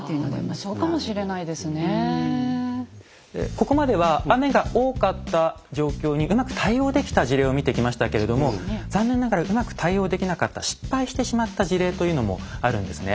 ここまでは雨が多かった状況にうまく対応できた事例を見てきましたけれども残念ながらうまく対応できなかった失敗してしまった事例というのもあるんですね。